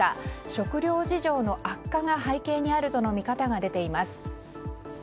食糧事情の悪化が背景にあるとの見方が出ています。